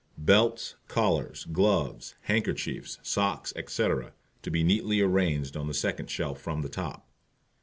BELTS, COLLARS, GLOVES, HANDKERCHIEFS, SOCKS, etc., to be neatly arranged on the second shelf from the top.